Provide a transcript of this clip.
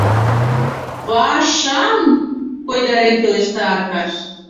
— Па-аша-ам, — койдарен пелешта Аркаш.